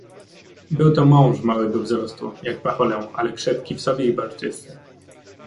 "Był to mąż małego wzrostu, jak pacholę, ale krzepki w sobie i barczysty."